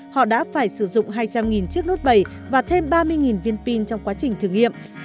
họ đã phải sử dụng hai trăm linh chiếc nốt bảy và thêm ba mươi viên pin trong quá trình thử nghiệm